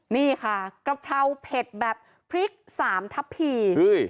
นี่ค่ะกะเพราเผ็ดแบบพริกสามทับพี